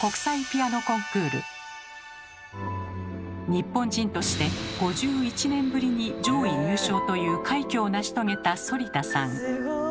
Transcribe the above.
日本人として５１年ぶりに上位入賞という快挙を成し遂げた反田さん。